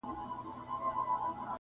• هم په اوړي هم په ژمي به ناورین وو -